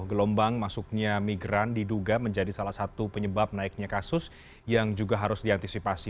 gelombang masuknya migran diduga menjadi salah satu penyebab naiknya kasus yang juga harus diantisipasi